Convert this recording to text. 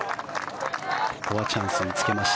ここはチャンスにつけました。